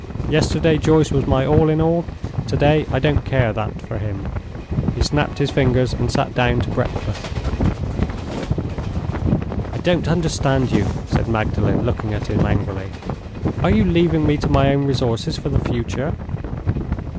"Yesterday Joyce was my all in all. To day I don't care that for him!" He snapped his fingers and sat down to breakfast. "I don't understand you," said Magdalen, looking at him angrily. "Are you leaving me to my own resources for the future?"